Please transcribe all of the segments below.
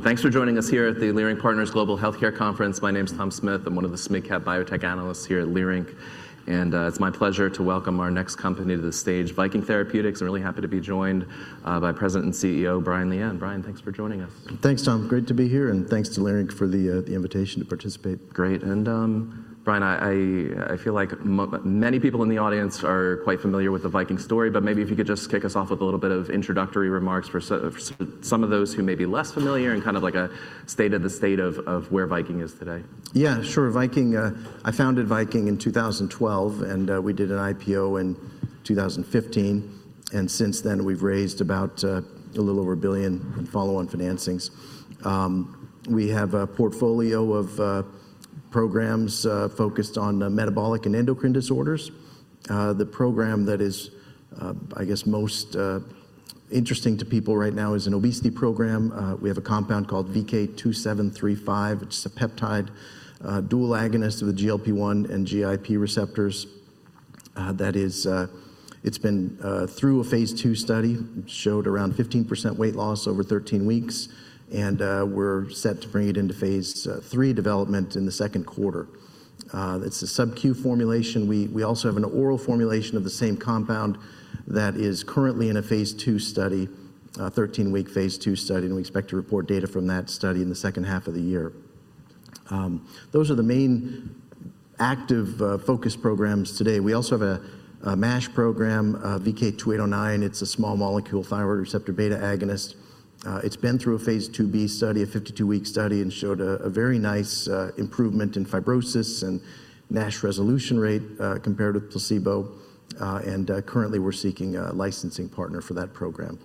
Thanks for joining us here at the Leerink Partners Global Healthcare Conference. My name is Tom Smith. I'm one of the biotech analysts here at Leerink. It's my pleasure to welcome our next company to the stage, Viking Therapeutics. I'm really happy to be joined by President and CEO Brian Lian. Brian, thanks for joining us. Thanks, Tom. Great to be here. Thanks to Leerink for the invitation to participate. Great. Brian, I feel like many people in the audience are quite familiar with the Viking story. Maybe if you could just kick us off with a little bit of introductory remarks for some of those who may be less familiar and kind of like a state of the state of where Viking is today. Yeah, sure. I founded Viking in 2012. We did an IPO in 2015. Since then, we've raised about a little over $1 billion in follow-on financings. We have a portfolio of programs focused on metabolic and endocrine disorders. The program that is, I guess, most interesting to people right now is an obesity program. We have a compound called VK2735, which is a peptide dual agonist of the GLP-1 and GIP receptors. It's been through a phase two study, showed around 15% weight loss over 13 weeks. We're set to bring it into phase three development in the second quarter. It's a sub-Q formulation. We also have an oral formulation of the same compound that is currently in a phase two study, a 13-week phase two study. We expect to report data from that study in the second half of the year. Those are the main active focus programs today. We also have a MASH program, VK2809. It's a small molecule thyroid receptor beta agonist. It's been through a phase 2b study, a 52-week study, and showed a very nice improvement in fibrosis and NASH resolution rate compared with placebo. Currently, we're seeking a licensing partner for that program.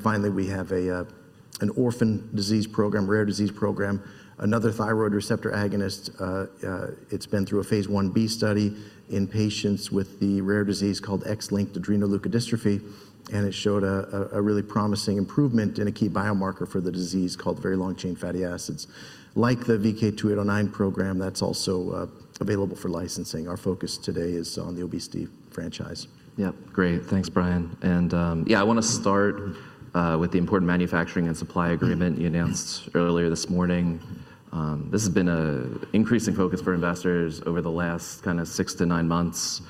Finally, we have an orphan disease program, rare disease program, another thyroid receptor agonist. It's been through a phase 1b study in patients with the rare disease called X-linked adrenoleukodystrophy. It showed a really promising improvement in a key biomarker for the disease called very long-chain fatty acids. Like the VK2809 program, that's also available for licensing. Our focus today is on the obesity franchise. Yeah, great. Thanks, Brian. Yeah, I want to start with the important manufacturing and supply agreement you announced earlier this morning. This has been an increasing focus for investors over the last kind of six to nine months.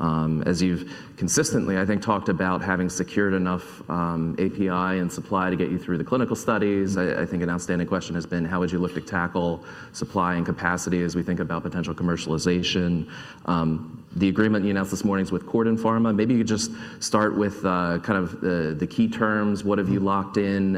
As you've consistently, I think, talked about having secured enough API and supply to get you through the clinical studies, I think an outstanding question has been, how would you look to tackle supply and capacity as we think about potential commercialization? The agreement you announced this morning is with CordenPharma. Maybe you could just start with kind of the key terms. What have you locked in?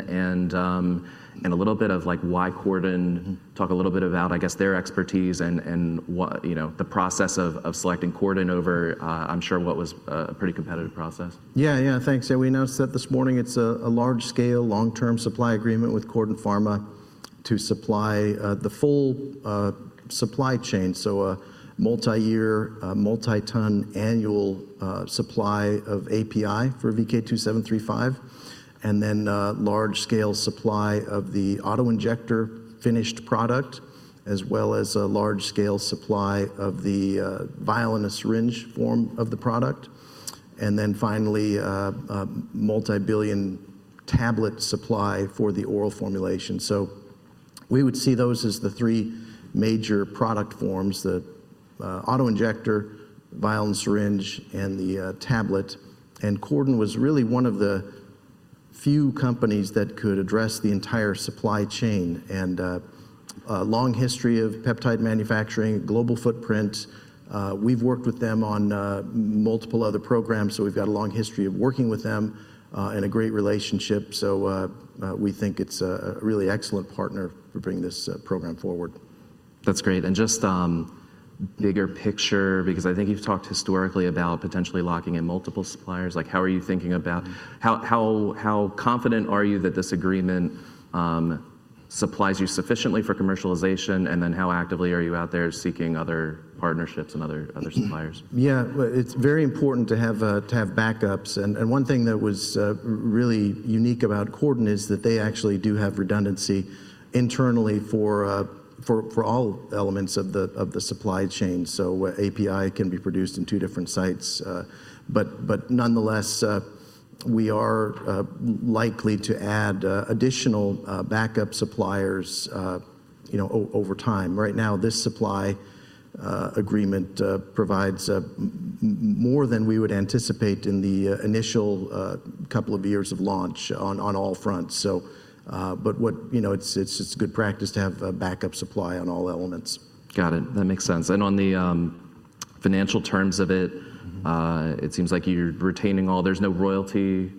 A little bit of why Corden, talk a little bit about, I guess, their expertise and the process of selecting Corden over, I'm sure, what was a pretty competitive process. Yeah, yeah, thanks. We announced that this morning, it's a large-scale, long-term supply agreement with CordenPharma to supply the full supply chain. A multi-year, multi-ton annual supply of API for VK2735. Large-scale supply of the autoinjector finished product, as well as large-scale supply of the vial and syringe form of the product. Finally, multi-billion tablet supply for the oral formulation. We would see those as the three major product forms: the autoinjector, vial and syringe, and the tablet. Corden was really one of the few companies that could address the entire supply chain and has a long history of peptide manufacturing, global footprint. We've worked with them on multiple other programs. We've got a long history of working with them and a great relationship. We think it's a really excellent partner for bringing this program forward. That's great. Just bigger picture, because I think you've talked historically about potentially locking in multiple suppliers. How are you thinking about how confident are you that this agreement supplies you sufficiently for commercialization? How actively are you out there seeking other partnerships and other suppliers? Yeah, it's very important to have backups. One thing that was really unique about Corden is that they actually do have redundancy internally for all elements of the supply chain. API can be produced in two different sites. Nonetheless, we are likely to add additional backup suppliers over time. Right now, this supply agreement provides more than we would anticipate in the initial couple of years of launch on all fronts. It's good practice to have a backup supply on all elements. Got it. That makes sense. On the financial terms of it, it seems like you're retaining all. There's no royalty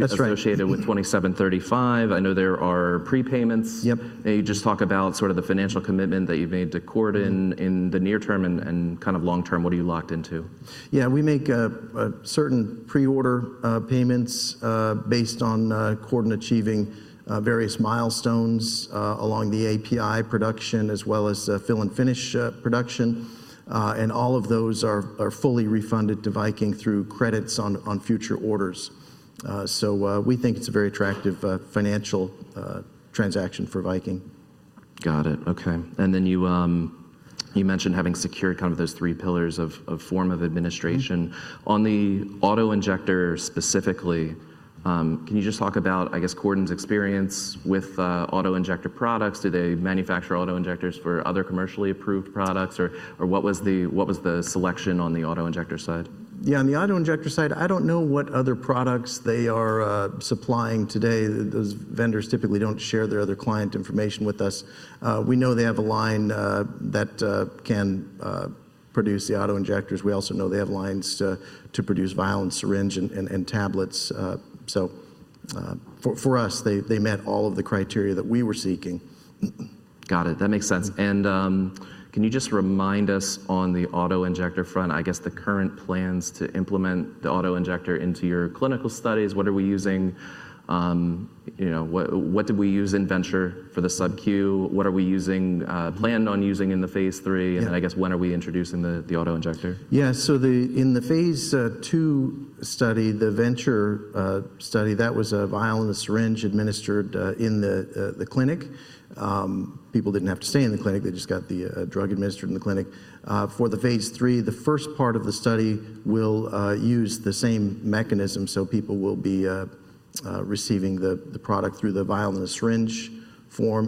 associated with 2735. I know there are prepayments. You just talk about sort of the financial commitment that you've made to Corden in the near term and kind of long term. What are you locked into? Yeah, we make certain pre-order payments based on Corden achieving various milestones along the API production, as well as fill and finish production. All of those are fully refunded to Viking through credits on future orders. We think it's a very attractive financial transaction for Viking. Got it. OK. And then you mentioned having secured kind of those three pillars of form of administration. On the autoinjector specifically, can you just talk about, I guess, CordenPharma's experience with autoinjector products? Do they manufacture autoinjectors for other commercially approved products? Or what was the selection on the autoinjector side? Yeah, on the autoinjector side, I don't know what other products they are supplying today. Those vendors typically don't share their other client information with us. We know they have a line that can produce the autoinjectors. We also know they have lines to produce vial and syringe and tablets. For us, they met all of the criteria that we were seeking. Got it. That makes sense. Can you just remind us on the autoinjector front, I guess, the current plans to implement the autoinjector into your clinical studies? What are we using? What did we use in VENTURE for the sub-Q? What are we planning on using in the phase three? I guess, when are we introducing the autoinjector? Yeah, so in the phase two study, the VENTURE study, that was a vial and syringe administered in the clinic. People didn't have to stay in the clinic. They just got the drug administered in the clinic. For the phase three, the first part of the study will use the same mechanism. People will be receiving the product through the vial and syringe form.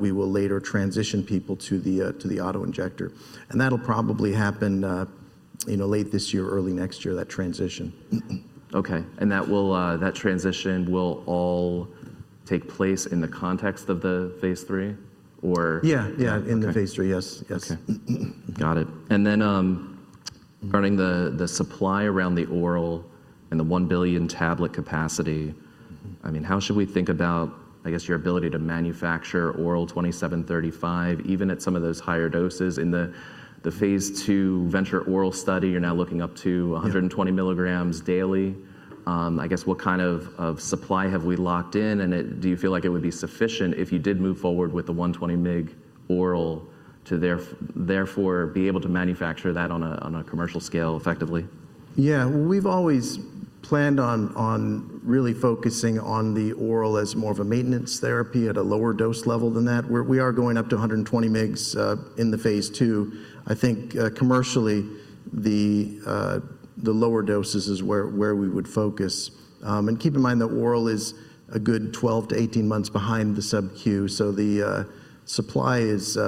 We will later transition people to the autoinjector. That will probably happen late this year, early next year, that transition. OK. That transition will all take place in the context of the Phase III? Yeah, yeah, in the Phase III, yes. OK. Got it. Regarding the supply around the oral and the one billion tablet capacity, I mean, how should we think about, I guess, your ability to manufacture oral 2735, even at some of those higher doses? In the Phase II VENTURE oral study, you're now looking up to 120 milligrams daily. I guess, what kind of supply have we locked in? Do you feel like it would be sufficient if you did move forward with the 120mg oral to therefore be able to manufacture that on a commercial scale effectively? Yeah, we've always planned on really focusing on the oral as more of a maintenance therapy at a lower dose level than that. We are going up to 120 mg in the phase two. I think commercially, the lower doses is where we would focus. Keep in mind that oral is a good 12-18 months behind the sub-Q. The supply is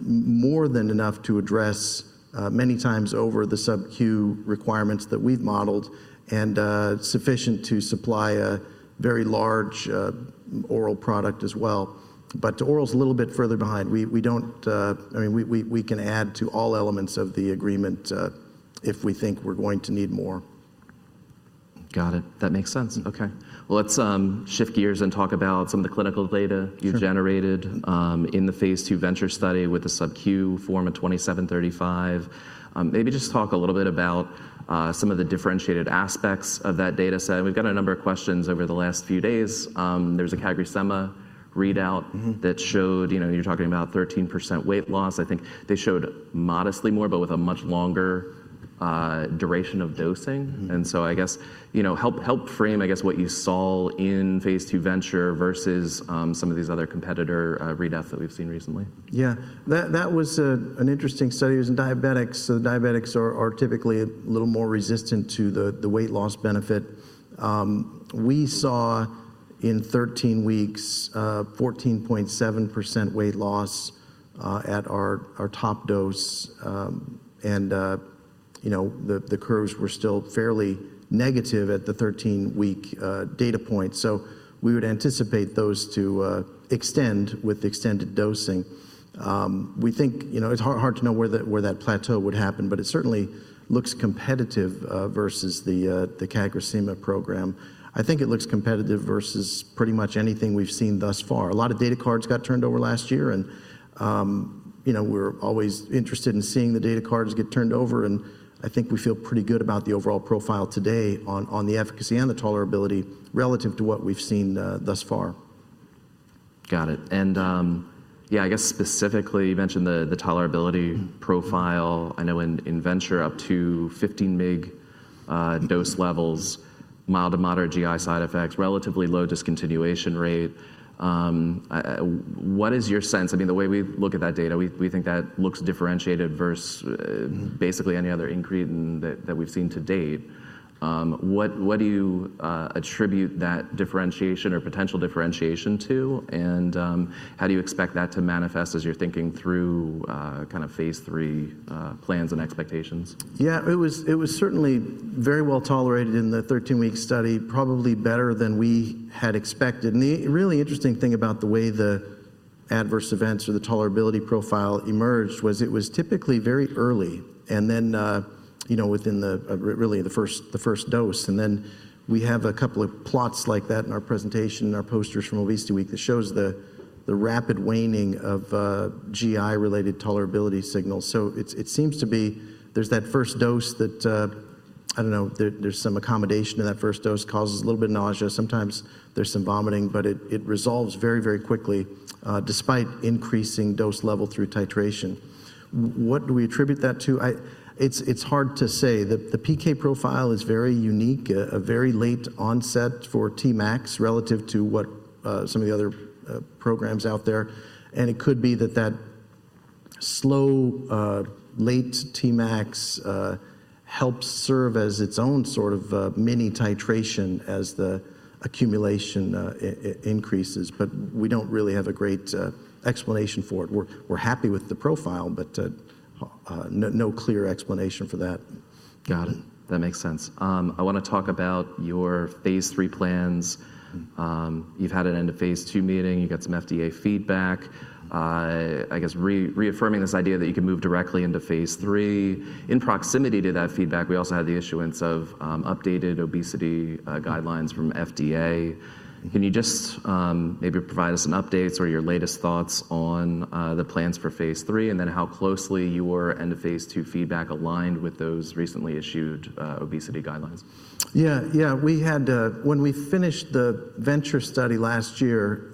more than enough to address many times over the sub-Q requirements that we've modeled and sufficient to supply a very large oral product as well. Oral is a little bit further behind. I mean, we can add to all elements of the agreement if we think we're going to need more. Got it. That makes sense. OK. Let's shift gears and talk about some of the clinical data you generated in the phase two VENTURE study with the sub-Q form of 2735. Maybe just talk a little bit about some of the differentiated aspects of that data set. We've got a number of questions over the last few days. There was a CagriSema readout that showed you're talking about 13% weight loss. I think they showed modestly more, but with a much longer duration of dosing. I guess, help frame, I guess, what you saw in phase two VENTURE versus some of these other competitor readouts that we've seen recently. Yeah, that was an interesting study. It was in diabetics. Diabetics are typically a little more resistant to the weight loss benefit. We saw in 13 weeks, 14.7% weight loss at our top dose. The curves were still fairly negative at the 13-week data point. We would anticipate those to extend with extended dosing. We think it's hard to know where that plateau would happen. It certainly looks competitive versus the CagriSema program. I think it looks competitive versus pretty much anything we've seen thus far. A lot of data cards got turned over last year. We're always interested in seeing the data cards get turned over. I think we feel pretty good about the overall profile today on the efficacy and the tolerability relative to what we've seen thus far. Got it. Yeah, I guess specifically, you mentioned the tolerability profile. I know in VENTURE, up to 15 mg dose levels, mild to moderate GI side effects, relatively low discontinuation rate. What is your sense? I mean, the way we look at that data, we think that looks differentiated versus basically any other increment that we've seen to date. What do you attribute that differentiation or potential differentiation to? How do you expect that to manifest as you're thinking through kind of phase three plans and expectations? Yeah, it was certainly very well tolerated in the 13-week study, probably better than we had expected. The really interesting thing about the way the adverse events or the tolerability profile emerged was it was typically very early and then within really the first dose. We have a couple of plots like that in our presentation and our posters from Obesity Week that shows the rapid waning of GI-related tolerability signals. It seems to be there's that first dose that, I don't know, there's some accommodation in that first dose causes a little bit of nausea. Sometimes there's some vomiting. It resolves very, very quickly despite increasing dose level through titration. What do we attribute that to? It's hard to say. The PK profile is very unique, a very late onset for Tmax relative to what some of the other programs out there. It could be that that slow, late Tmax helps serve as its own sort of mini titration as the accumulation increases. We do not really have a great explanation for it. We are happy with the profile, but no clear explanation for that. Got it. That makes sense. I want to talk about your phase three plans. You've had an end of phase two meeting. You got some FDA feedback. I guess reaffirming this idea that you can move directly into phase three. In proximity to that feedback, we also had the issuance of updated obesity guidelines from FDA. Can you just maybe provide us an update? Sort of your latest thoughts on the plans for phase three and then how closely your end of phase two feedback aligned with those recently issued obesity guidelines? Yeah, yeah, when we finished the VENTURE study last year,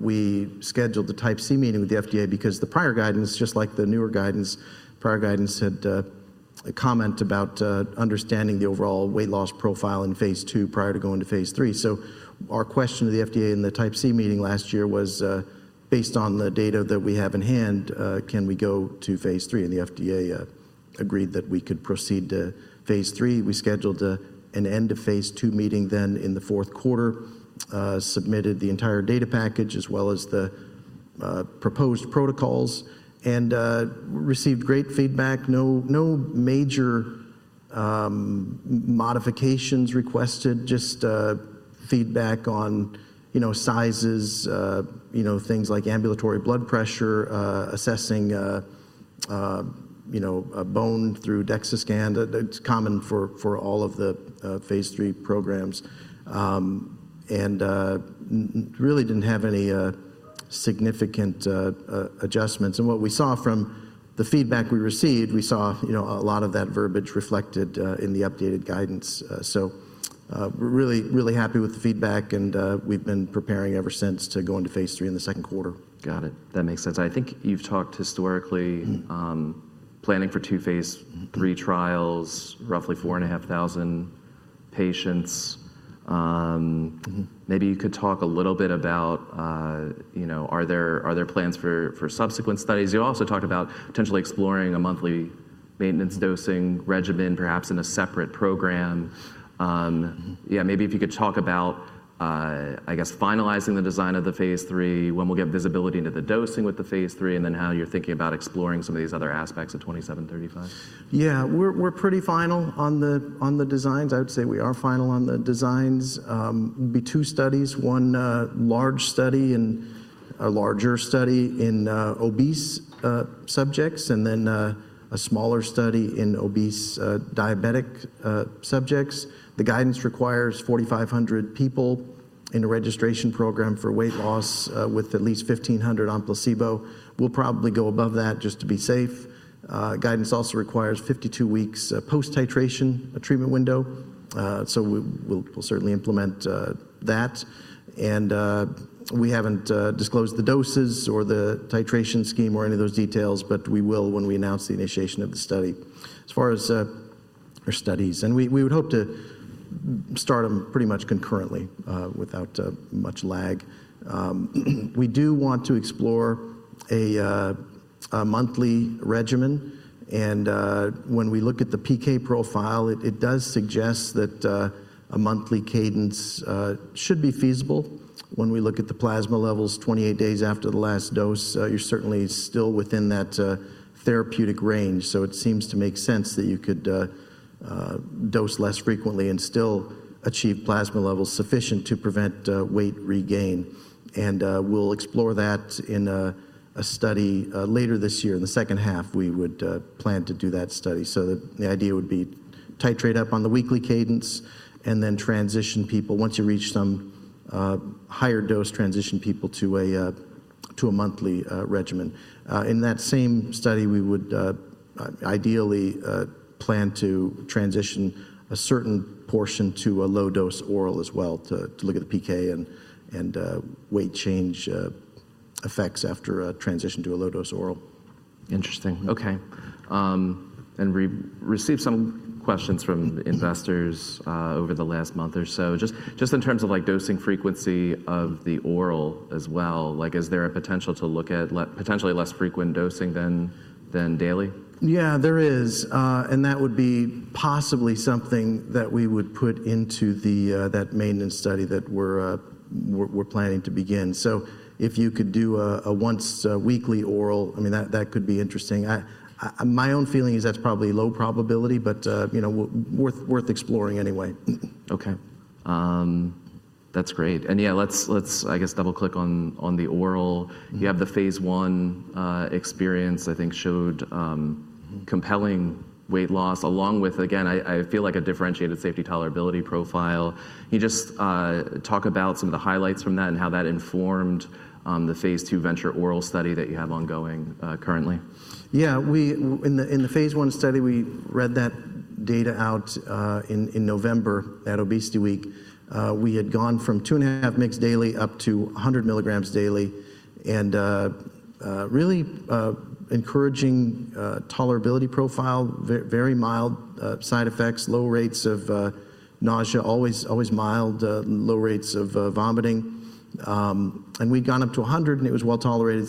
we scheduled a type C meeting with the FDA because the prior guidance, just like the newer guidance, prior guidance had a comment about understanding the overall weight loss profile in phase two prior to going to phase three. Our question to the FDA in the type C meeting last year was, based on the data that we have in hand, can we go to phase three? The FDA agreed that we could proceed to phase three. We scheduled an end of phase two meeting then in the fourth quarter, submitted the entire data package as well as the proposed protocols, and received great feedback. No major modifications requested, just feedback on sizes, things like ambulatory blood pressure, assessing bone through DEXA scan. It's common for all of the phase three programs. We really didn't have any significant adjustments. What we saw from the feedback we received, we saw a lot of that verbiage reflected in the updated guidance. Really, really happy with the feedback. We've been preparing ever since to go into phase three in the second quarter. Got it. That makes sense. I think you've talked historically planning for two phase three trials, roughly 4,500 patients. Maybe you could talk a little bit about, are there plans for subsequent studies? You also talked about potentially exploring a monthly maintenance dosing regimen, perhaps in a separate program. Yeah, maybe if you could talk about, I guess, finalizing the design of the phase three, when we'll get visibility into the dosing with the phase three, and then how you're thinking about exploring some of these other aspects of 2735. Yeah, we're pretty final on the designs. I would say we are final on the designs. It will be two studies: one large study and a larger study in obese subjects, and then a smaller study in obese diabetic subjects. The guidance requires 4,500 people in a registration program for weight loss with at least 1,500 on placebo. We'll probably go above that just to be safe. Guidance also requires 52 weeks post-titration treatment window. We will certainly implement that. We haven't disclosed the doses or the titration scheme or any of those details. We will when we announce the initiation of the study as far as our studies. We would hope to start them pretty much concurrently without much lag. We do want to explore a monthly regimen. When we look at the PK profile, it does suggest that a monthly cadence should be feasible. When we look at the plasma levels 28 days after the last dose, you're certainly still within that therapeutic range. It seems to make sense that you could dose less frequently and still achieve plasma levels sufficient to prevent weight regain. We will explore that in a study later this year. In the second half, we would plan to do that study. The idea would be titrate up on the weekly cadence and then transition people once you reach some higher dose, transition people to a monthly regimen. In that same study, we would ideally plan to transition a certain portion to a low-dose oral as well to look at the PK and weight change effects after transition to a low-dose oral. Interesting. OK. We received some questions from investors over the last month or so. Just in terms of dosing frequency of the oral as well, is there a potential to look at potentially less frequent dosing than daily? Yeah, there is. That would be possibly something that we would put into that maintenance study that we're planning to begin. If you could do a once-weekly oral, I mean, that could be interesting. My own feeling is that's probably low probability, but worth exploring anyway. OK. That's great. Yeah, let's, I guess, double-click on the oral. You have the phase one experience, I think, showed compelling weight loss along with, again, I feel like a differentiated safety tolerability profile. Can you just talk about some of the highlights from that and how that informed the Phase II VENTURE oral study that you have ongoing currently? Yeah, in the Phase I study, we read that data out in November at Obesity Week. We had gone from 2.5 mg daily up to 100 mg daily and really encouraging tolerability profile, very mild side effects, low rates of nausea, always mild, low rates of vomiting. We had gone up to 100, and it was well tolerated.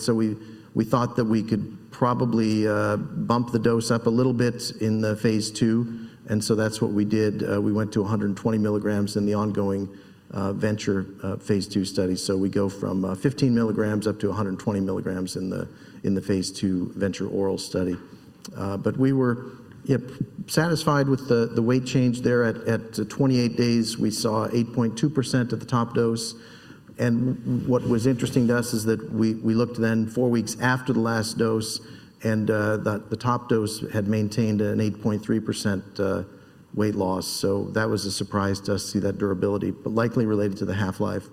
We thought that we could probably bump the dose up a little bit in the phase two. That is what we did. We went to 120 mg in the ongoing VENTURE phase two study. We go from 15 mg up to 120 mg in the phase two VENTURE oral study. We were satisfied with the weight change there. At 28 days, we saw 8.2% at the top dose. What was interesting to us is that we looked then four weeks after the last dose, and the top dose had maintained an 8.3% weight loss. That was a surprise to us to see that durability, but likely related to the half-life.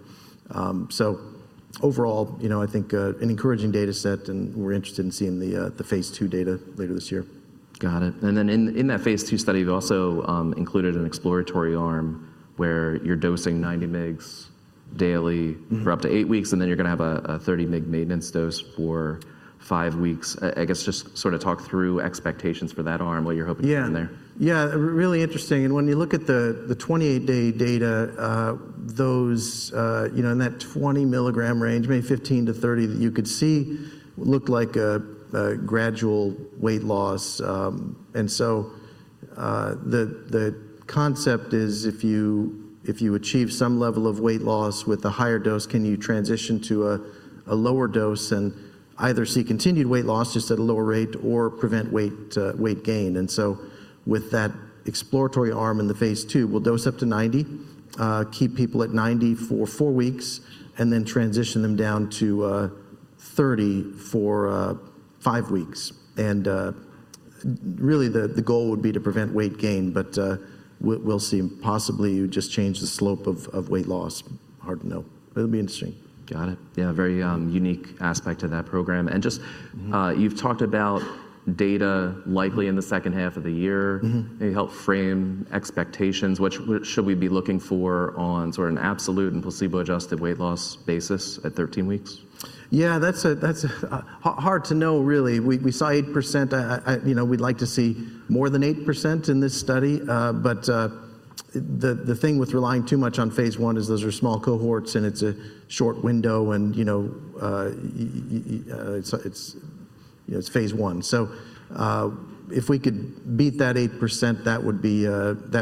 Overall, I think an encouraging data set. We're interested in seeing the phase two data later this year. Got it. In that phase two study, you also included an exploratory arm where you're dosing 90 mg daily for up to eight weeks. You're going to have a 30 mg maintenance dose for five weeks. I guess just sort of talk through expectations for that arm, what you're hoping to get in there. Yeah, yeah, really interesting. When you look at the 28-day data, those in that 20 mg range, maybe 15-30 that you could see, looked like a gradual weight loss. The concept is if you achieve some level of weight loss with a higher dose, can you transition to a lower dose and either see continued weight loss just at a lower rate or prevent weight gain? With that exploratory arm in the phase two, we'll dose up to 90, keep people at 90 for four weeks, and then transition them down to 30 for five weeks. Really, the goal would be to prevent weight gain. We'll see. Possibly you just change the slope of weight loss. Hard to know. It'll be interesting. Got it. Yeah, very unique aspect to that program. You have talked about data likely in the second half of the year. You helped frame expectations. What should we be looking for on sort of an absolute and placebo-adjusted weight loss basis at 13 weeks? Yeah, that's hard to know, really. We saw 8%. We'd like to see more than 8% in this study. The thing with relying too much on phase one is those are small cohorts, and it's a short window. It's phase one. If we could beat that 8%, that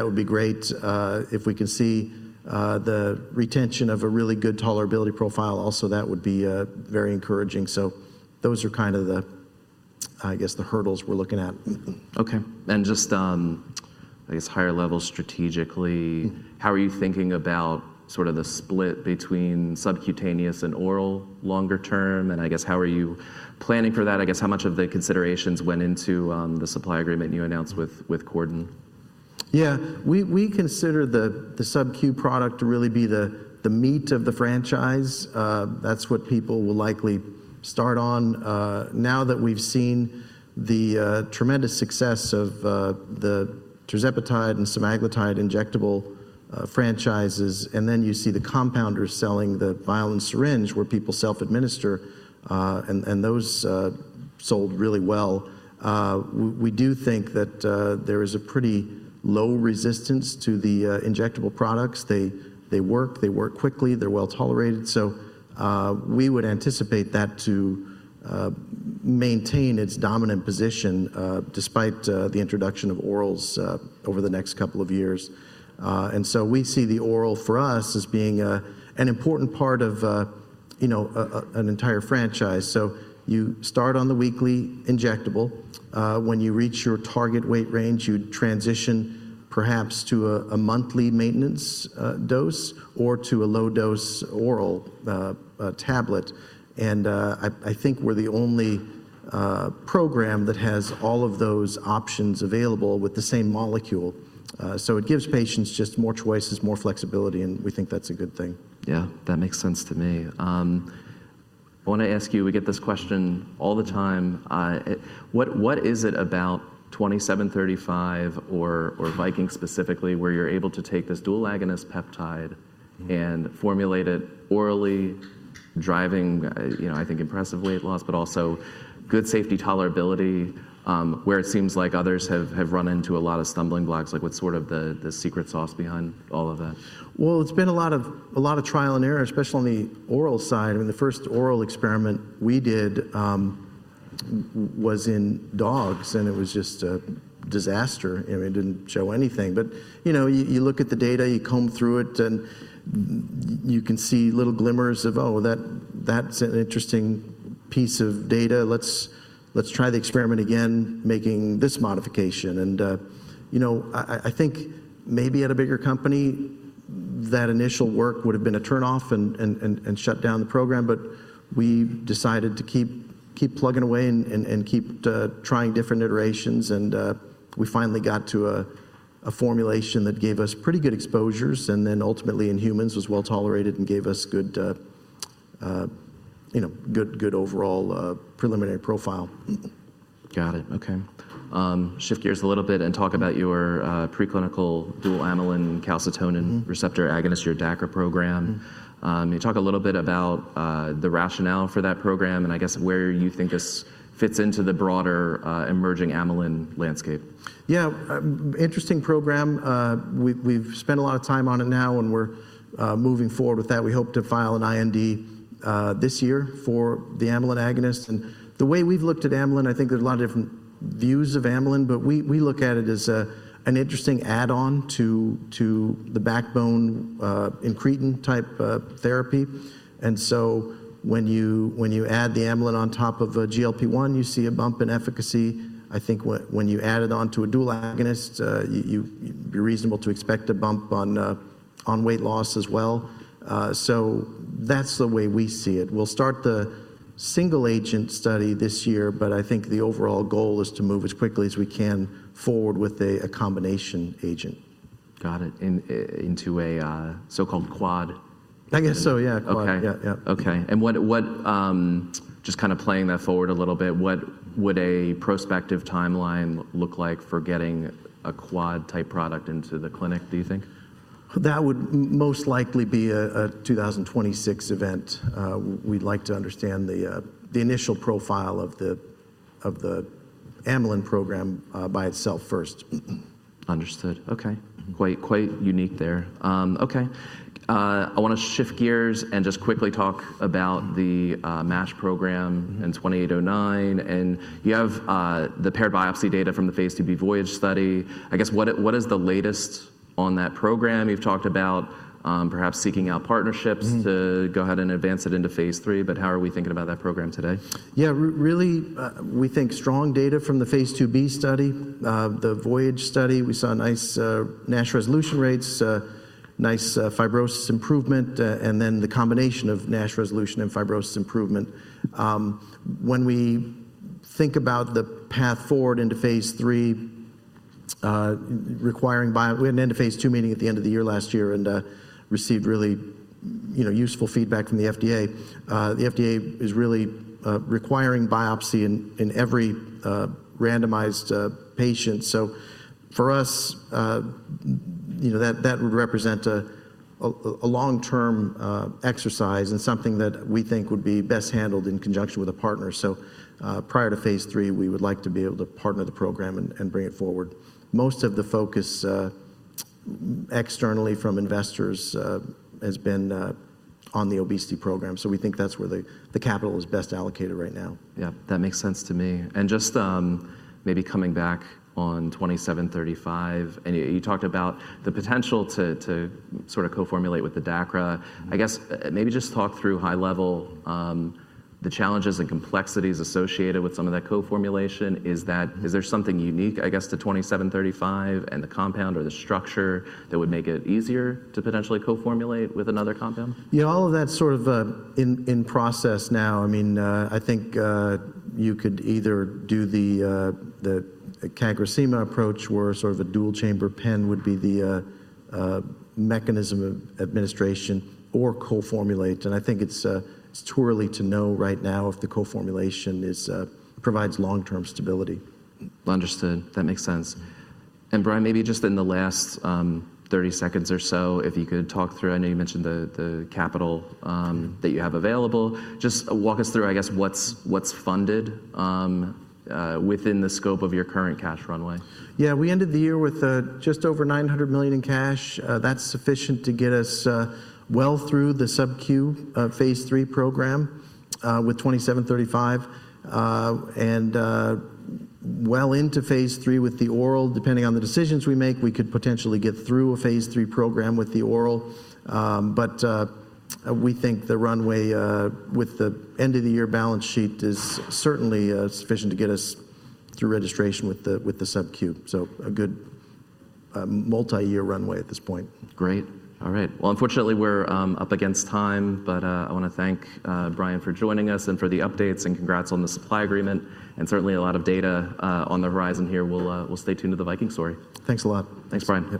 would be great. If we can see the retention of a really good tolerability profile, also that would be very encouraging. Those are kind of the, I guess, the hurdles we're looking at. OK. Just, I guess, higher level strategically, how are you thinking about sort of the split between subcutaneous and oral longer term? I guess how are you planning for that? I guess how much of the considerations went into the supply agreement you announced with Corden? Yeah, we consider the subQ product to really be the meat of the franchise. That's what people will likely start on now that we've seen the tremendous success of the tirzepatide and semaglutide injectable franchises. You see the compounders selling the vial and syringe where people self-administer. Those sold really well. We do think that there is a pretty low resistance to the injectable products. They work. They work quickly. They're well tolerated. We would anticipate that to maintain its dominant position despite the introduction of orals over the next couple of years. We see the oral for us as being an important part of an entire franchise. You start on the weekly injectable. When you reach your target weight range, you transition perhaps to a monthly maintenance dose or to a low-dose oral tablet. I think we're the only program that has all of those options available with the same molecule. It gives patients just more choices, more flexibility. We think that's a good thing. Yeah, that makes sense to me. I want to ask you, we get this question all the time. What is it about 2735 or Viking specifically where you're able to take this dual agonist peptide and formulate it orally, driving, I think, impressive weight loss, but also good safety tolerability where it seems like others have run into a lot of stumbling blocks? Like, what's sort of the secret sauce behind all of that? It has been a lot of trial and error, especially on the oral side. I mean, the first oral experiment we did was in dogs. It was just a disaster. It did not show anything. You look at the data, you comb through it, and you can see little glimmers of, oh, that is an interesting piece of data. Let's try the experiment again, making this modification. I think maybe at a bigger company, that initial work would have been a turn-off and shut down the program. We decided to keep plugging away and keep trying different iterations. We finally got to a formulation that gave us pretty good exposures. Ultimately in humans it was well tolerated and gave us good overall preliminary profile. Got it. OK. Shift gears a little bit and talk about your preclinical dual amylin calcitonin receptor agonist, your DACRA program. Talk a little bit about the rationale for that program and I guess where you think this fits into the broader emerging amylin landscape. Yeah, interesting program. We've spent a lot of time on it now. We're moving forward with that. We hope to file an IND this year for the amylin agonist. The way we've looked at amylin, I think there's a lot of different views of amylin. We look at it as an interesting add-on to the backbone incretin type therapy. When you add the amylin on top of a GLP-1, you see a bump in efficacy. I think when you add it onto a dual agonist, it'd be reasonable to expect a bump on weight loss as well. That's the way we see it. We'll start the single agent study this year. I think the overall goal is to move as quickly as we can forward with a combination agent. Got it. Into a so-called quad. I guess so, yeah, quad. OK. OK. Just kind of playing that forward a little bit, what would a prospective timeline look like for getting a quad-type product into the clinic, do you think? That would most likely be a 2026 event. We'd like to understand the initial profile of the amylin program by itself first. Understood. OK. Quite unique there. OK. I want to shift gears and just quickly talk about the MASH program in 2809. And you have the pair biopsy data from the Phase 2b VOYAGE study. I guess what is the latest on that program? You've talked about perhaps seeking out partnerships to go ahead and advance it into phase three. But how are we thinking about that program today? Yeah, really, we think strong data from the Phase 2b study, the VOYAGE study. We saw nice NASH resolution rates, nice fibrosis improvement, and then the combination of NASH resolution and fibrosis improvement. When we think about the path forward into phase three, requiring we had an end of phase two meeting at the end of the year last year and received really useful feedback from the FDA. The FDA is really requiring biopsy in every randomized patient. For us, that would represent a long-term exercise and something that we think would be best handled in conjunction with a partner. Prior to phase three, we would like to be able to partner the program and bring it forward. Most of the focus externally from investors has been on the obesity program. We think that's where the capital is best allocated right now. Yeah, that makes sense to me. Just maybe coming back on 2735, you talked about the potential to sort of co-formulate with the DACRA. I guess maybe just talk through high level the challenges and complexities associated with some of that co-formulation. Is there something unique, I guess, to 2735 and the compound or the structure that would make it easier to potentially co-formulate with another compound? Yeah, all of that's sort of in process now. I mean, I think you could either do the CagriSema approach where sort of a dual chamber pen would be the mechanism of administration or co-formulate. I think it's too early to know right now if the co-formulation provides long-term stability. Understood. That makes sense. Brian, maybe just in the last 30 seconds or so, if you could talk through, I know you mentioned the capital that you have available. Just walk us through, I guess, what's funded within the scope of your current cash runway. Yeah, we ended the year with just over $900 million in cash. That's sufficient to get us well through the subQ phase three program with 2735. And well into phase three with the oral, depending on the decisions we make, we could potentially get through a phase three program with the oral. But we think the runway with the end of the year balance sheet is certainly sufficient to get us through registration with the subQ. So a good multi-year runway at this point. Great. All right. Unfortunately, we're up against time. I want to thank Brian for joining us and for the updates and congrats on the supply agreement. Certainly a lot of data on the horizon here. We'll stay tuned to the Viking story. Thanks a lot. Thanks, Brian.